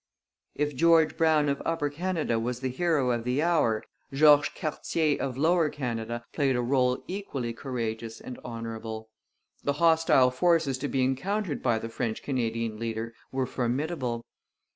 If George Brown of Upper Canada was the hero of the hour, George Cartier of Lower Canada played a rôle equally courageous and honourable. The hostile forces to be encountered by the French Canadian leader were formidable.